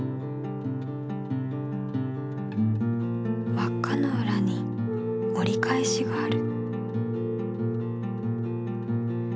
わっかのうらに折り返しがある。